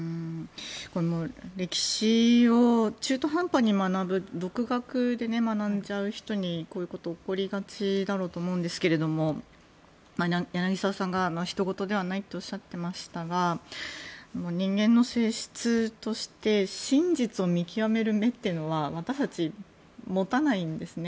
歴史を中途半端に独学で学んじゃう人にこういうことが起こりがちだろうと思うんですが柳澤さんがひと事ではないとおっしゃってましたが人間の性質として真実を見極める目というのは私たち、持たないんですね。